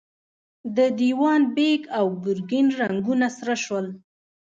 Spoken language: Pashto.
د دېوان بېګ او ګرګين رنګونه سره شول.